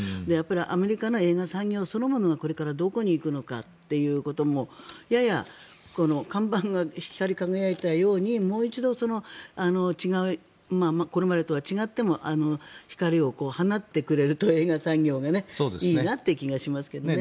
アメリカの映画産業そのものがこれからどこに行くのかっていうことも、やや看板が光り輝いたようにもう一度これまでとは違っても光を放ってくれると映画産業がいいなという気がしますけどね。